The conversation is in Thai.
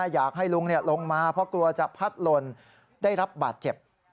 อยากให้ลุงลงมาเพราะกลัวจะพัดหล่นได้รับบาดเจ็บ